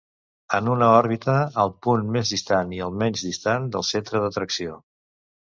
En una òrbita, el punt més distant i el menys distant del centre d'atracció.